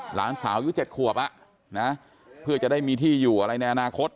หลานสาวอายุ๗ขวบเพื่อจะได้มีที่อยู่อะไรในอนาคต